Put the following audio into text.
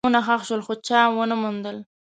بمونه ښخ شول، خو چا ونه موندل.